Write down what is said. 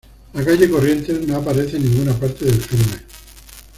La calle Corrientes no aparece en ninguna parte del filme.